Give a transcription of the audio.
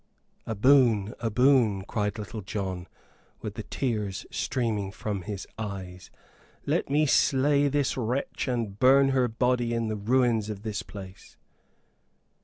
"A boon, a boon!" cried Little John, with the tears streaming from his eyes. "Let me slay this wretch and burn her body in the ruins of this place."